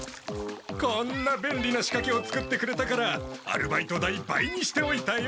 こんなべんりなしかけを作ってくれたからアルバイト代倍にしておいたよ！